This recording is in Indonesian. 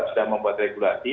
sudah membuat regulasi